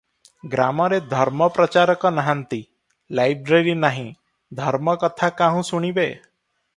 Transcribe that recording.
ଗ୍ରାମରେ ଧର୍ମ ପ୍ରଚାରକ ନାହାନ୍ତି, ଲାଇବ୍ରେରୀ ନାହିଁ, ଧର୍ମକଥା କାହୁଁ ଶୁଣିବେ?